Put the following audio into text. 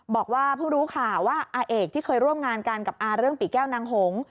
บอกว่าเพิ่งรู้ข่าวว่าอาเอกที่เคยร่วมงานกันกับอาเรื่องปีแก้วนางหง